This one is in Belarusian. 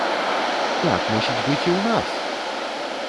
Так мусіць быць і у нас!